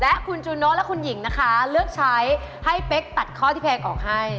และคุณจูโน้และคุณหญิงนะคะเลือกใช้ให้เป๊กตัดข้อที่แพงออกให้